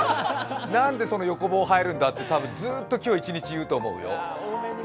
なんで横棒入るんだって、多分今日ずっと一日言うと思うよ。